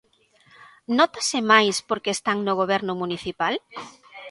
Nótase máis porque están no goberno municipal?